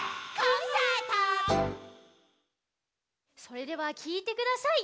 それではきいてください。